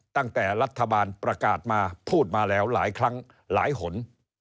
ตั้งแต่รัฐบาลประกาศมาพูดมาแล้วหลายครั้งหลายหน